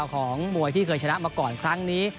ของมวยที่เคยชนะมาก่อนครั้งนี้